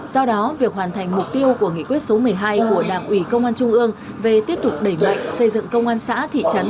do đó việc hoàn thành mục tiêu của nghị quyết số một mươi hai của đảng ủy công an trung ương về tiếp tục đẩy mạnh xây dựng công an xã thị trấn